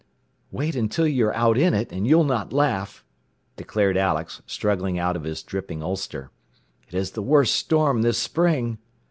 "Wait until you are out in it, and you'll not laugh," declared Alex, struggling out of his dripping ulster. "It is the worst storm this spring."